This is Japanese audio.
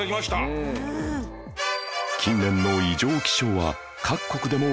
近年の異常気象は各国でも影響が